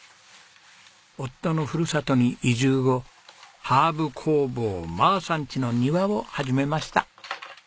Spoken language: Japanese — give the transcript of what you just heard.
夫のふるさとに移住後ハーブ工房まーさんちの庭を始めました。